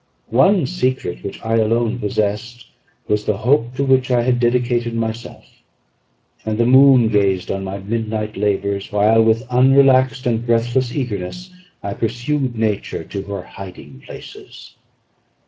One secret which I alone possessed was the hope to which I had dedicated myself; and the moon gazed on my midnight labours, while, with unrelaxed and breathless eagerness, I pursued nature to her hiding places.